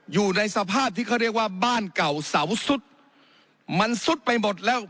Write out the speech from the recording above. อยู่ในสภาพที่เขาเรียกว่าบ้านเก่าเสาซุดมันซุดไปหมดแล้ว